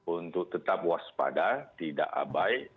untuk tetap waspada tidak abai